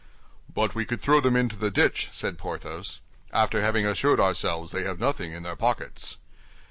"But we could throw them into the ditch," said Porthos, "after having assured ourselves they have nothing in their pockets."